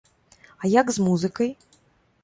А як з музыкай?